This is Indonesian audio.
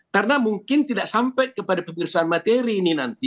karena mungkin tidak sampai kepada pemirsa materi ini nanti